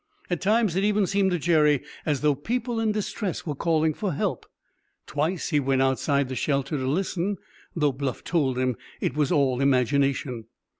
At times it even seemed to Jerry as though people in distress were calling for help. Twice he went outside the shelter to listen, though Bluff told him it was all imagination.